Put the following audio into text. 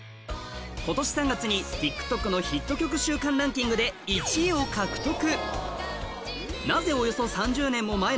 今年３月にＴｉｋＴｏｋのヒット曲週間ランキングで１位を獲得